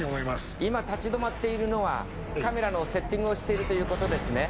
今、立ち止まっているのは、カメラのセッティングをしているということですね？